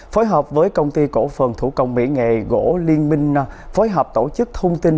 phối hợp với công ty cổ phần thủ công mỹ nghệ gỗ liên minh phối hợp tổ chức thông tin